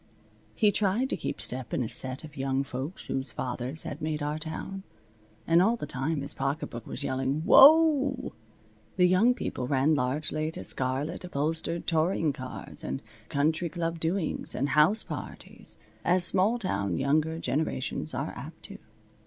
He tried to keep step in a set of young folks whose fathers had made our town. And all the time his pocketbook was yelling, "Whoa!" The young people ran largely to scarlet upholstered touring cars, and country club doings, and house parties, as small town younger generations are apt to.